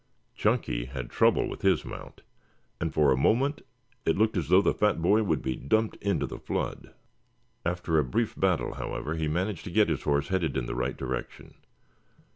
Chunky had trouble with his mount and for a moment it looked as though the fat boy would be dumped into the flood. After a brief battle, however, he managed to get his horse headed in the right direction.